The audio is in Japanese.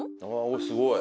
おすごい。